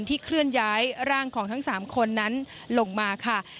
เคลื่อนย้ายร่างของทั้ง๓คนนั้นลงมาค่ะ